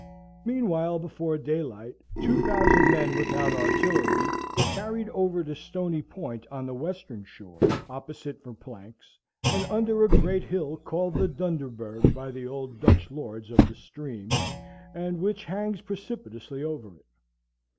Meanwhile, before daylight, two thousand men without artillery, were carried over to Stoney Point on the Western shore, opposite Verplancks, and under a great hill called the Dunderberg by the old Dutch lords of the stream, and which hangs precipitously over it.